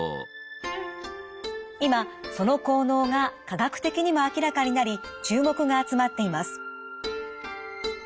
今その効能が科学的にも明らかになり注目が集まっています。